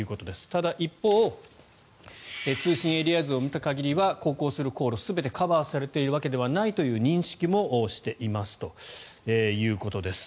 ただ、一方通信エリア図を見た限りは航行する航路全てカバーされているわけではないという認識もしていますということです。